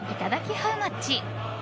ハウマッチ。